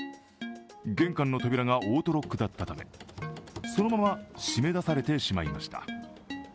玄関の扉がオートロックだったため、そのまま締め出されてしまいました。